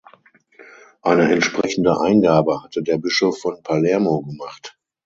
Eine entsprechende Eingabe hatte der Bischof von Palermo gemacht.